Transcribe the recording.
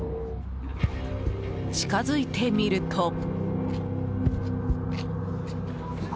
近づいてみると。